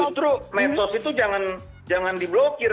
justru medsos itu jangan di blokir